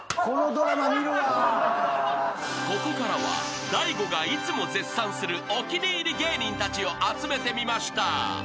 ［ここからは大悟がいつも絶賛するお気に入り芸人たちを集めてみました］